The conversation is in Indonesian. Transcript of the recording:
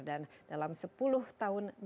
dan dalam sepuluh tahun